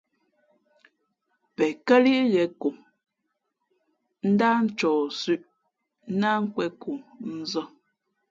Pen kά lǐʼ ghēn ko, ndáh ncohsʉ̄ʼ ná nkwe᷇n ko nzᾱ.